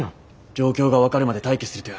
状況が分かるまで待機するとや？